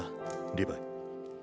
リヴァイ。